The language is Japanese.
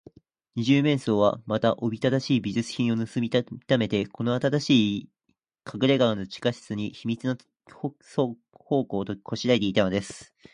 二十面相は、また、おびただしい美術品をぬすみためて、この新しいかくれがの地下室に、秘密の宝庫をこしらえていたのです。